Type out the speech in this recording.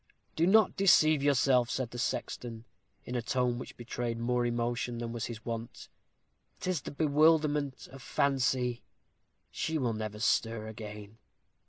"Do not deceive yourself," said the sexton, in a tone which betrayed more emotion than was his wont. "'Tis the bewilderment of fancy. She will never stir again."